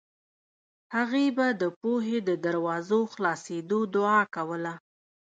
هغې به د پوهې د دروازو خلاصېدو دعا کوله